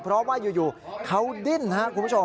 เพราะว่าอยู่เขาดิ้นครับคุณผู้ชม